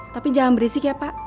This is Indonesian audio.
tapi jangan berisik ya pak